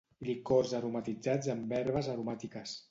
Licors aromatitzats amb herbes aromàtiques.